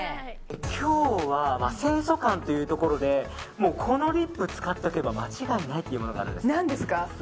今日は清楚感というところでもうこのリップ使っとけば間違いないというものがあるんです。